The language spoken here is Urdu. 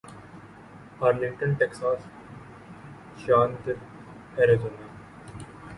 Arlington Texas Chandler Arizona